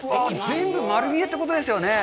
全部、丸見えってことですよね！？